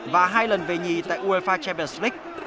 và hai lần về nhì tại uefa champions league